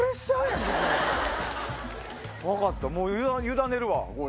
分かったもう委ねるわ。